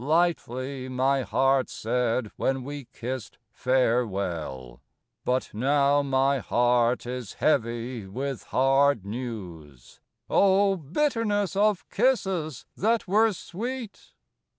Lightly my heart said when we kissed farewell. But now my heart is heavy with hard news Oh! bitterness of kisses that were sweet!